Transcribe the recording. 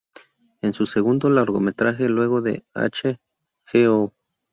Es su segundo largometraje luego de H. G. O..